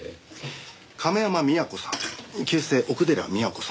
亀山美和子さん旧姓奥寺美和子さん。